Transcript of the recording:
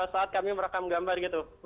saat kami merekam gambar